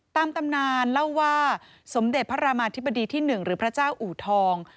ตำนานเล่าว่าสมเด็จพระรามาธิบดีที่๑หรือพระเจ้าอูทอง